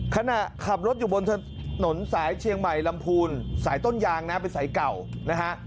ขณะขับรถอยู่บนถนนสายเชียงใหม่ลำพูนสายต้นยางนะเป็นสายเก่านะฮะ